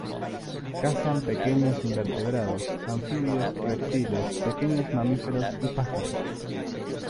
Cazan pequeños invertebrados, anfibios, reptiles, pequeños mamíferos y pájaros.